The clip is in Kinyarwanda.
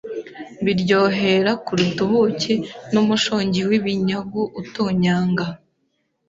biryohera kuruta ubuki n’umushongi w’ibinyagu utonyanga